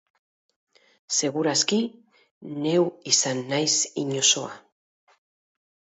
Segur aski, neu izan naiz inozoa.